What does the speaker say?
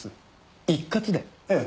ええ。